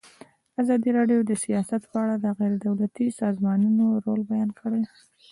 ازادي راډیو د سیاست په اړه د غیر دولتي سازمانونو رول بیان کړی.